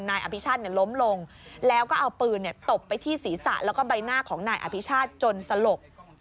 นายอภิชาติล้มลงแล้วก็เอาปืนตบไปที่ศีรษะแล้วก็ใบหน้าของนายอภิชาติจนสลบ